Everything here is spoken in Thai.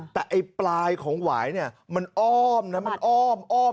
แต่ไอ้ปลายของหวายมันอ้อมนะมันอ้อม